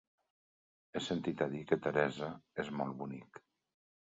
He sentit a dir que Teresa és molt bonic.